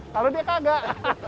kalau dia kagak